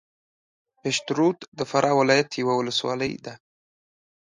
پشترود د فراه ولایت یوه ولسوالۍ ده